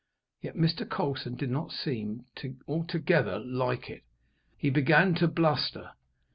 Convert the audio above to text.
Yet Mr. Colson did not seem to altogether like it. He began to bluster.